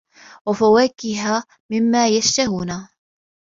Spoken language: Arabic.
وَفَواكِهَ مِمّا يَشتَهونَ